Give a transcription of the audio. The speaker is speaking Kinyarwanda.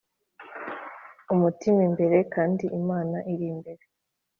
umutima imbere, kandi imana iri imbere!